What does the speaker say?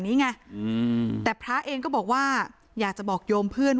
ไม่อยากให้มองแบบนั้นจบดราม่าสักทีได้ไหม